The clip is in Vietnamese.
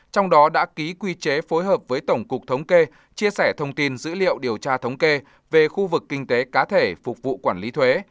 trong đó đã ký quy chế phối hợp với tổng cục thống kê chia sẻ thông tin dữ liệu điều tra thống kê về khu vực kinh tế cá thể phục vụ quản lý thuế